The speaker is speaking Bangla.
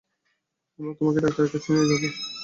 আমরা তোমাকে ডাক্তারের কাছে নিয়ে যাব।